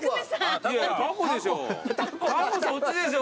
いやいやタコでしょ。